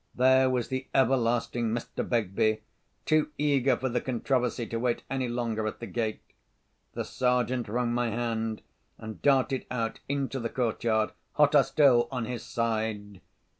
There was the everlasting Mr. Begbie, too eager for the controversy to wait any longer at the gate. The Sergeant wrung my hand, and darted out into the court yard, hotter still on his side.